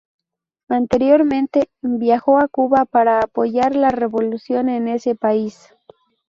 Anteriormente, viajó a Cuba para apoyar la revolución en ese país.